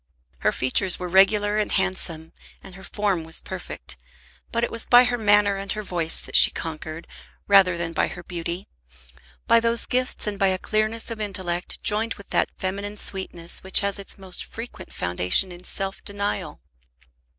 Her features were regular and handsome, and her form was perfect; but it was by her manner and her voice that she conquered, rather than by her beauty, by those gifts and by a clearness of intellect joined with that feminine sweetness which has its most frequent foundation in self denial.